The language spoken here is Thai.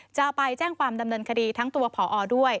จะไปแจ้งความดำเนินคดีทั้งตัวผอด้วย